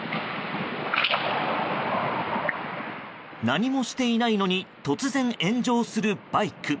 何もしていないのに突然、炎上するバイク。